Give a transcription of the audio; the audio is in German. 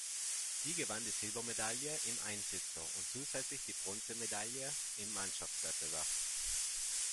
Sie gewann die Silbermedaille im Einsitzer und zusätzlich die Bronzemedaille im Mannschaftswettbewerb.